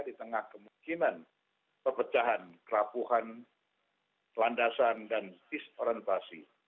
di tengah kemungkinan pepecahan kerapuhan landasan dan disorientasi